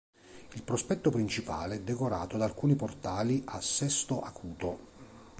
Il prospetto principale è decorato da alcuni portali a sesto acuto.